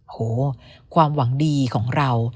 โหความหวังดีของเรา